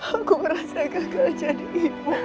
aku merasa gagal jadi